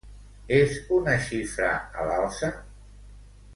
És una xifra a l'alça?